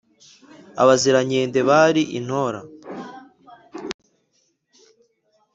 Abazirankende bari i Ntora